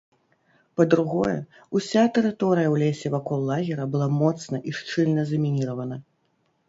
Па-другое, уся тэрыторыя ў лесе вакол лагера была моцна і шчыльна замініравана.